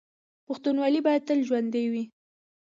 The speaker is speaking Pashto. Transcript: پښتونولي به تل ژوندي وي.